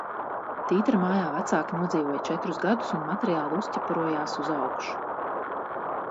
Tītarmājā vecāki nodzīvoja četrus gadus un materiāli uzķeparojās uz augšu.